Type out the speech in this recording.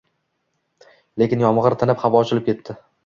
Lekin yomgʻir tinib, havo ochilib ketdi